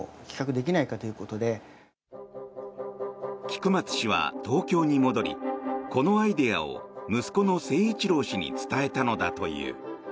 菊松氏は東京に戻りこのアイデアを息子の誠一郎氏に伝えたのだという。